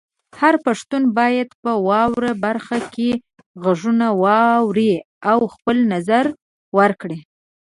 هر پښتون باید په "واورئ" برخه کې غږونه واوري او خپل نظر ورکړي.